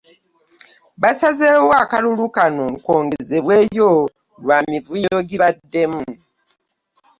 Basazeewo akalulu kano kongezebweyo lwa mivuyo egibaddemu.